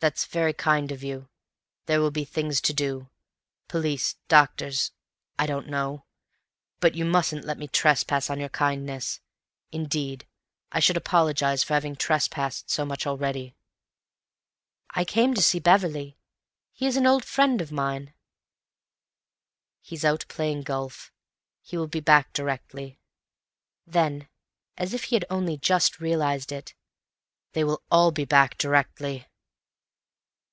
"That's very kind of you. There will be things to do. Police, doctors—I don't know. But you mustn't let me trespass on your kindness. Indeed, I should apologise for having trespassed so much already." "I came to see Beverley. He is an old friend of mine." "He's out playing golf. He will be back directly." Then, as if he had only just realized it, "They will all be back directly."